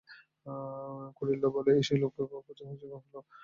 খলিলুল্লাহ বলে এক লোককে নিয়ে প্রচুর হৈচৈ হলো।